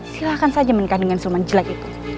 silahkan saja menikah dengan sulman jelek itu